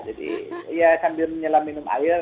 jadi ya sambil menyelam minum air